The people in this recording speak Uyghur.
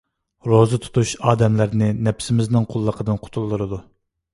روزا تۇتۇش ئادەملەرنى نەپسىمىزنىڭ قۇللۇقىدىن قۇتۇلدۇرىدۇ.